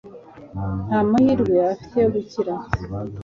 nta mahirwe afite yo gukira